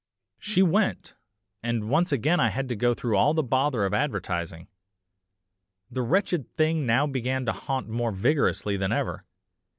"She went and once again I had to go through all the bother of advertising. The wretched thing now began to haunt more vigorously than ever.